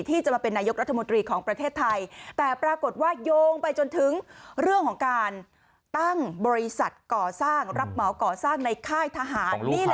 ทัพพักที่สามปรากฏว่าโอ้โหพลเอกปรีชาจันโอชา